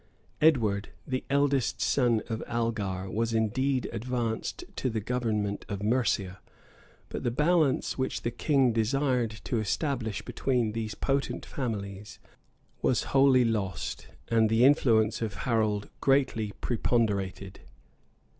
Edward, the eldest son of Algar, was indeed advanced to the government of Mercia; but the balance which the king desired to establish between those potent families, was wholly lost, and the influence of Harold greatly preponderated.